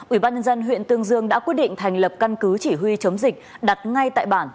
ubnd huyện tương dương đã quyết định thành lập căn cứ chỉ huy chống dịch đặt ngay tại bản